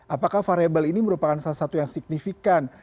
apakah variable ini merupakan salah satu yang signifikan